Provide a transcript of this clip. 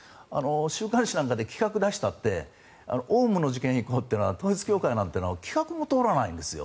週刊誌なんかで企画を出したってオウムの事件以降っていうのは統一教会なんていうのは企画も通らないんです。